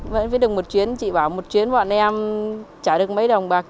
vẫn phải được một chuyến chị bảo một chuyến bọn em trả được mấy đồng bạc